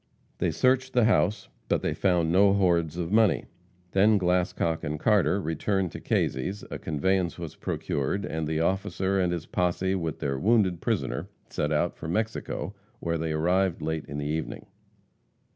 They searched the house, but they found no hoards of money. Then Glascock and Carter returned to Kazy's, a conveyance was procured, and the officer and his posse with their wounded prisoner set out for Mexico, where they arrived late in the evening.